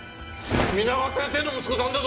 皆川先生の息子さんだぞ。